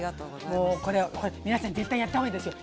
もうこれ皆さん絶対やった方がいいですよ。